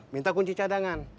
minta kunci cadangan